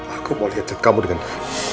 aku mau lihat kamu dengan